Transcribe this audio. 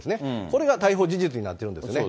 それが逮捕事実になってるんですね。